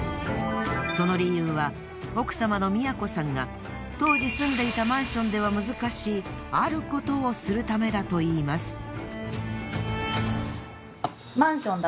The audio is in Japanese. その理由は奥様の美也子さんが当時住んでいたマンションでは難しいある事をするためだといいます。